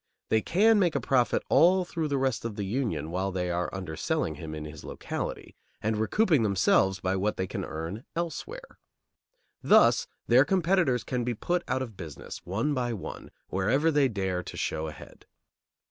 They can make a profit all through the rest of the Union, while they are underselling him in his locality, and recouping themselves by what they can earn elsewhere. Thus their competitors can be put out of business, one by one, wherever they dare to show a head.